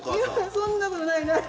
そんなことないない。